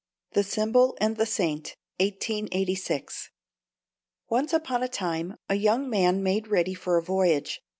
+THE SYMBOL AND THE SAINT+ THE SYMBOL AND THE SAINT Once upon a time a young man made ready for a voyage.